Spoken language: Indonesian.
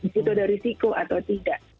di situ ada risiko atau tidak